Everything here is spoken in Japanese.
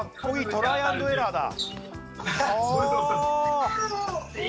トライアンドエラーだ。